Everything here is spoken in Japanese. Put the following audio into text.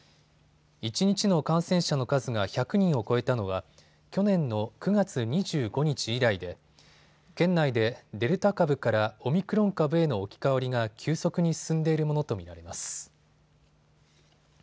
一日の感染者の数が１００人を超えたのは去年の９月２５日以来で県内でデルタ株からオミクロン株への置き換わりが急速に進んでいるものと見られます。